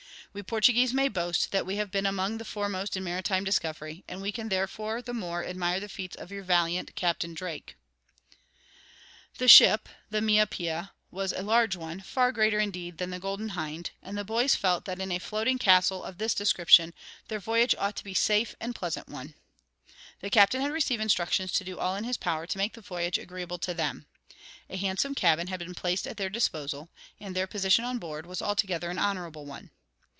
We Portuguese may boast that we have been among the foremost in maritime discovery, and we can therefore the more admire the feats of your valiant Captain Drake." The ship, the Maria Pia, was a large one, far greater, indeed, than the Golden Hind, and the boys felt that in a floating castle of this description, their voyage ought to be a safe and pleasant one. The captain had received instructions to do all in his power to make the voyage agreeable to them. A handsome cabin had been placed at their disposal, and their position on board was altogether an honorable one.